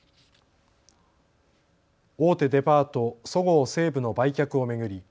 大手デパート、そごう・西武の売却を巡り